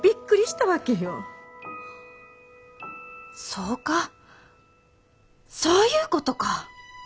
そうかそういうことか。